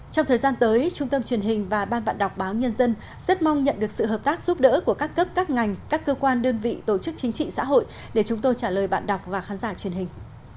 trong thời gian tới trung tâm truyền hình và ban bạn đọc báo nhân dân rất mong nhận được sự hợp tác giúp đỡ của các cấp các ngành các cơ quan đơn vị tổ chức chính trị xã hội để chúng tôi trả lời bạn đọc và khán giả truyền hình